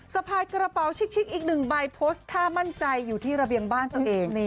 สะพายกระเป๋าชิกอีกหนึ่งใบโพสต์ท่ามั่นใจอยู่ที่ระเบียงบ้านตัวเอง